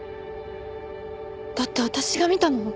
だって私が見たのは。